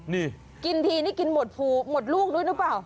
นี่กินทีนี่กินหมดฟูหมดลูกด้วยหรือเปล่า